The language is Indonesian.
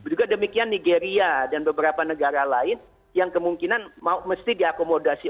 juga demikian nigeria dan beberapa negara lain yang kemungkinan mesti diakomodasi